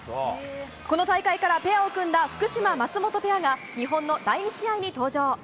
この大会からペアを組んだ福島、松本ペアが日本の第２試合に登場。